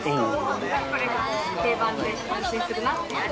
これが定番で安心するなって言う味。